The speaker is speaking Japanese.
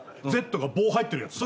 Ｚが棒入ってるやつ。